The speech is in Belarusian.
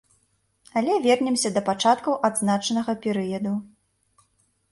Але вернемся да пачаткаў адзначанага перыяду.